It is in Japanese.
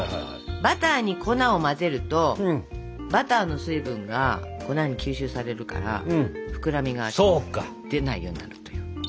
バターに粉を混ぜるとバターの水分が粉に吸収されるから膨らみが出ないようになるという。